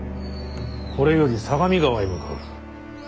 これより相模川へ向かう。